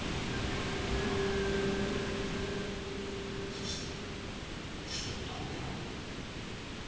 そして首都東京。